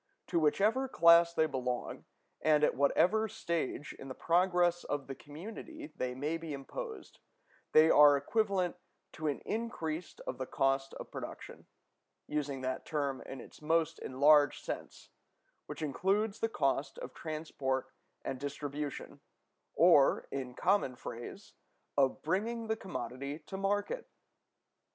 To whichever class they belong, and at whatever stage in the progress of the community they may be imposed, they are equivalent to an increase of the cost of production; using that term in its most enlarged sense, which includes the cost of transport and distribution, or, in common phrase, of bringing the commodity to market.